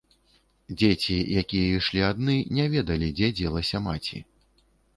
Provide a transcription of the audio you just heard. Дзеці, якія ішлі адны, не ведалі, дзе дзелася маці.